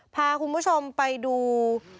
พาคุณผู้ชมไปดู